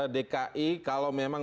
dki kalau memang